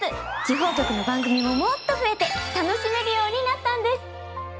地方局の番組ももっと増えて楽しめるようになったんです。